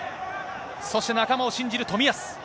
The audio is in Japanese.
そして仲間を信じる冨安。